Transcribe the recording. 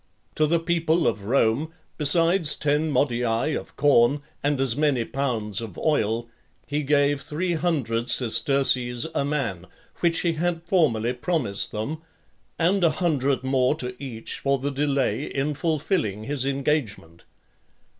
To the people of Rome, besides ten modii of corn, and as many pounds of oil, he gave three hundred sesterces a man, which he had formerly promised them, and a hundred more to each for the delay in fulfilling his engagement.